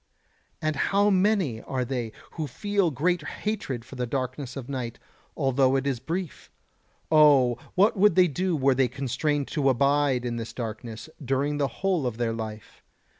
And how many are they who feel great hatred for the darkness of night, although it is brief. Oh! what would they do were they constrained to abide in this darkness during the whole of their life?